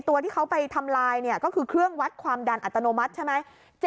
ตัวที่เขาไปทำลายก็คือเครื่องวัดความดันอัตโนมัติใช่ไหม